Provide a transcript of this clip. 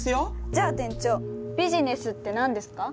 じゃあ店長ビジネスって何ですか？